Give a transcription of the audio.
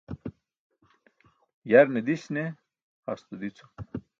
Yarne diś ne hasto dico